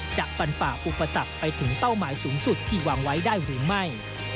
ฟันฝ่าอุปสรรคไปถึงเป้าหมายสูงสุดที่วางไว้ได้หรือไม่